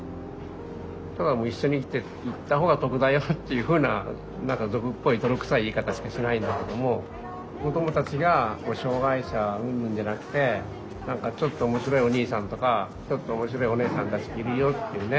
ただもう一緒に生きていった方が得だよっていうふうな何か俗っぽい泥臭い言い方しかしないんだけども子どもたちが障害者うんぬんじゃなくて何かちょっと面白いおにいさんとかちょっと面白いおねえさんたちいるよっていうね